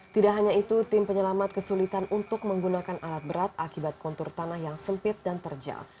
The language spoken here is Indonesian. tidak hanya itu tim penyelamat kesulitan untuk menggunakan alat berat akibat kontur tanah yang sempit dan terjal